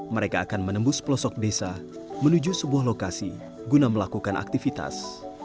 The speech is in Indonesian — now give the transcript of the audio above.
mereka akan menembus pelosok desa menuju sebuah lokasi guna melakukan aktivitas